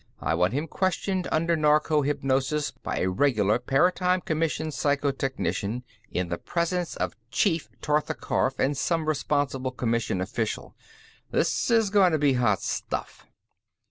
I want him questioned under narco hypnosis by a regular Paratime Commission psycho technician, in the presence of Chief Tortha Karf and some responsible Commission official. This is going to be hot stuff."